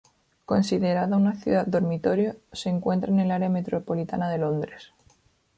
Considerada una ciudad dormitorio, se encuentra en el área metropolitana de Londres.